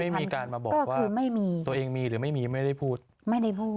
ไม่มีการมาบอกว่าตัวเองมีหรือไม่มีไม่ได้พูดไม่ได้พูด